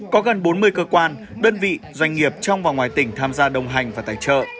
có gần bốn mươi cơ quan đơn vị doanh nghiệp trong và ngoài tỉnh tham gia đồng hành và tài trợ